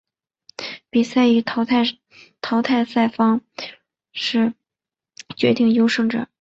比赛以淘汰赛方式决定优胜者。